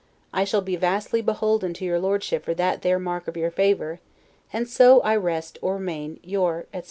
I shall be VASTLY BEHOLDEN to your Lordship for THAT THERE mark of your favor; and so I REST or REMAIN, Your, etc.